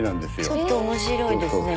ちょっと面白いですね。